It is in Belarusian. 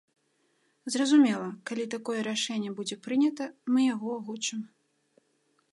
Зразумела, калі такое рашэнне будзе прынята, мы яго агучым.